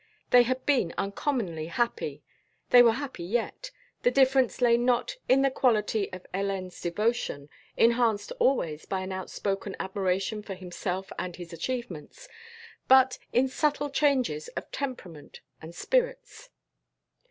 They had been uncommonly happy; they were happy yet ... the difference lay not in the quality of Hélène's devotion, enhanced always by an outspoken admiration for himself and his achievements, but in subtle changes of temperament and spirits.